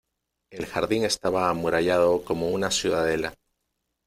el jardín estaba amurallado como una ciudadela.